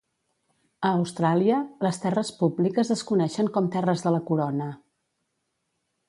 A Austràlia, les terres públiques es coneixen com Terres de la Corona.